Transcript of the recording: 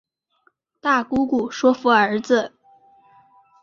大姑姑说服儿子